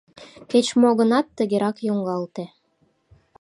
Кеч-мо гынат тыгерак йоҥгалте.